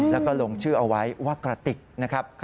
แล้วก็ลงชื่อเอาไว้ว่ากระติกนะครับ